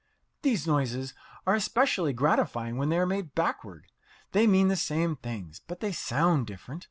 These noises are especially gratifying when they are made backward. They mean the same things, but they sound different.